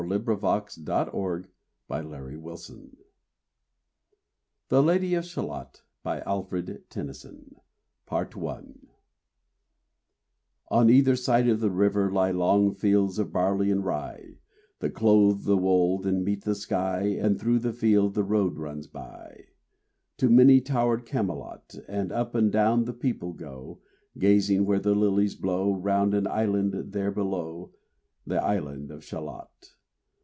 Sir Walter Scott RAINBOW GOLD THE LADY OF SHALOTT PART I ON either side the river lie Long fields of barley and of rye, That clothe the wold and meet the sky; And through the field the road runs by To many towered Camelot; And up and down the people go, Gazing where the lilies blow Round an island there below, The island of Shalott.